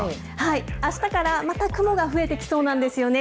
あしたから、また雲が増えてきそうなんですよね。